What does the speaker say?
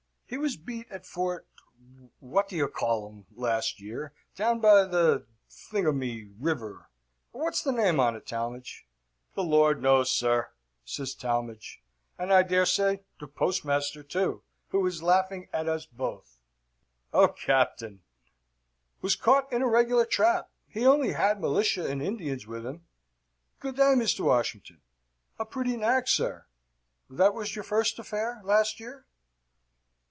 He was beat at Fort What d'ye call um last year, down by the Thingamy river. What's the name on't, Talmadge?" "The Lord knows, sir," says Talmadge; "and I dare say the Postmaster, too, who is laughing at us both." "Oh, Captain!" "Was caught in a regular trap. He had only militia and Indians with him. Good day, Mr. Washington. A pretty nag, sir. That was your first affair, last year?"